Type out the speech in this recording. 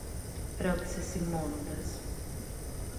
ρώτησε σιμώνοντας.